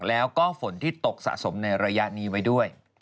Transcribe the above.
แล้วก็ฝนที่ตกสะสมในระยะนี้ไว้ด้วย